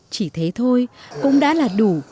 chỉ thế thôi cũng đã là đủ